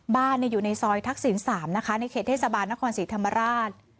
อยู่ในซอยทักษิณ๓นะคะในเขตเทศบาลนครศรีธรรมราช